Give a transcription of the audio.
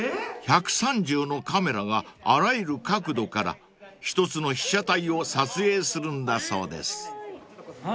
［１３０のカメラがあらゆる角度から一つの被写体を撮影するんだそうです］